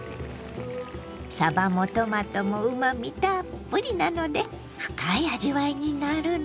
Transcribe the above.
さばもトマトもうまみたっぷりなので深い味わいになるの。